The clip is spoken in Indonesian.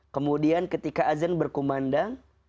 kemudian ketika azan berkumandang